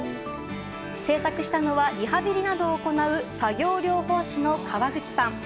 製作したのはリハビリなどを行う作業療法士の川口さん。